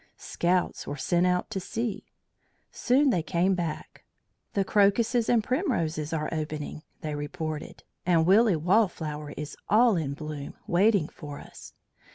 Scouts were sent out to see. Soon they came back. "The crocuses and primroses are opening," they reported, "and Willy Wallflower is all in bloom waiting for us."